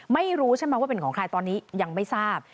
ไม่รู้ใช่ไหมว่าเป็นของใครตอนนี้ยังไม่ทราบ